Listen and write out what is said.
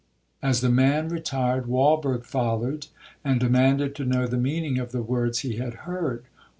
As the man retired, Walberg followed, and demanded to know the meaning of the words he had heard.